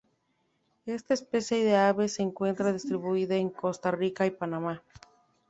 Esta especie de ave se encuentra distribuida en Costa Rica y Panamá.